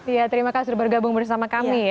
iya terima kasih sudah bergabung bersama kami